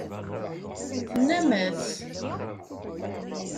Tennam-as.